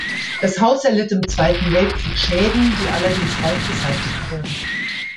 Das Haus erlitt im Zweiten Weltkrieg Schäden, die allerdings bald beseitigt wurden.